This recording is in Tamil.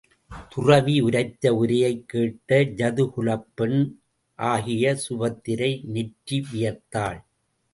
துறவி உரைத்த உரையைக் கேட்டு யதுகுலப்பெண் ஆகிய சுபத்திரை நெற்றி வியர்த்தாள்.